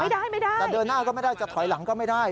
ไม่ได้ไม่ได้จะเดินหน้าก็ไม่ได้จะถอยหลังก็ไม่ได้